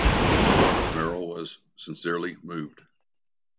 Muriel was sincerely moved.